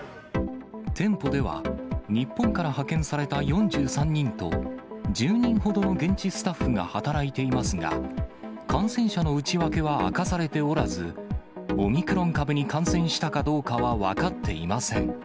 店舗では、日本から派遣された４３人と、１０人ほどの現地スタッフが働いていますが、感染者の内訳は明かされておらず、オミクロン株に感染したかどうかは分かっていません。